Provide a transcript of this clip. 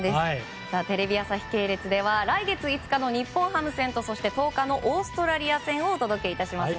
テレビ朝日系列では来月５日の日本ハム戦とそして１０日のオーストラリア戦をお届けします。